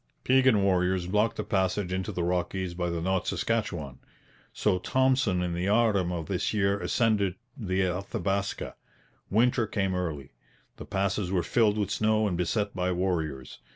Piegan warriors blocked the passage into the Rockies by the North Saskatchewan; so Thompson in the autumn of this year ascended the Athabaska. Winter came early. The passes were filled with snow and beset by warriors.